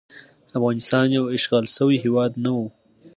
افغانستان یو اشغال شوی هیواد نه وو.